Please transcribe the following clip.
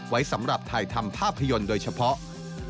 ไว้สำหรับถ่ายทำภาพยนตร์โดยเฉพาะ